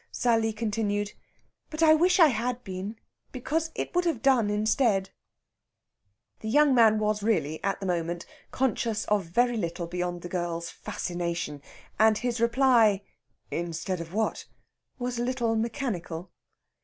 Sally continued: "But I wish I had been, because it would have done instead." The young man was really, at the moment, conscious of very little beyond the girl's fascination, and his reply, "Instead of what?" was a little mechanical.